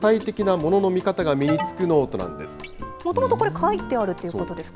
もともとこれ、描いてあるっていうことですか。